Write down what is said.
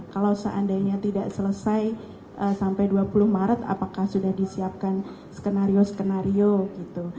kalau seandainya tidak selesai sampai dua puluh maret apakah sudah disiapkan skenario skenario gitu